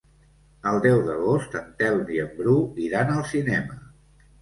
El deu d'agost en Telm i en Bru iran al cinema.